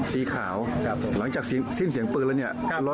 สีขาวหลังจากสิ้นเสียงปืนแล้วเนี่ย